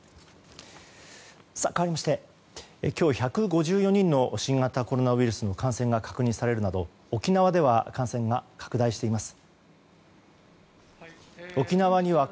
かわりまして、今日１５４人の新型コロナウイルスの感染が確認されるなど沖縄では感染が拡大しています。